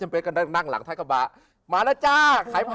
นางมันเทิงละกลับมาไหม